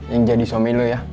yang jadi suami lo ya